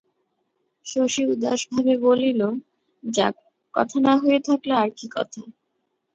শশী উদাসভাবে বলিল, যাক, কথা না হয়ে থাকলে আর কী কথা?